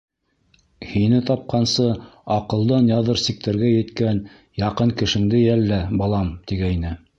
Һине тапҡансы аҡылдан яҙыр сиктәргә еткән яҡын кешеңде йәллә, балам, тигәйне.